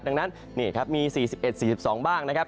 ดังนั้นนี่ครับมี๔๑๔๒บ้างนะครับ